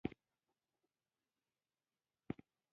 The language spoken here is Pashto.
دغه سپارل شوې دنده مسؤلیت بلل کیږي.